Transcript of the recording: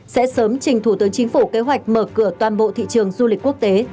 sẽ sớm trình thủ tướng chính phủ kế hoạch mở cửa toàn bộ thị trường du lịch quốc tế